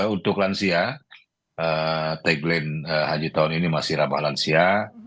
untuk lansia tagline haji tahun ini masih rabah lansia